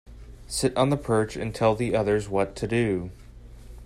Sit on the perch and tell the others what to do.